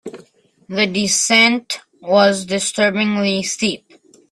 The descent was disturbingly steep.